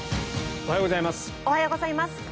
おはようございます。